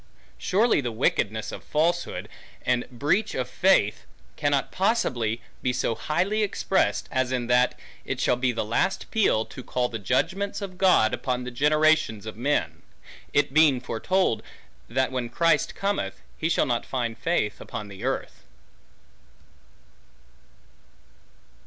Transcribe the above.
Surely the wickedness of falsehood, and breach of faith, cannot possibly be so highly expressed, as in that it shall be the last peal, to call the judgments of God upon the generations of men; it being foretold, that when Christ cometh, he shall not find faith upon the earth.